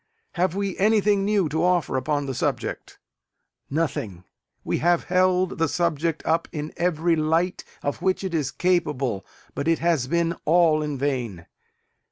Have we anything new to offer upon the subject? Nothing. We have held the subject up in every light of which it is capable; but it has been all in vain.